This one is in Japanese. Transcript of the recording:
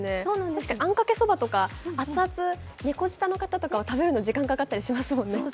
確かにあんかけそばとか熱々、猫舌の方とかは食べるのに時間かかったりしますもんね。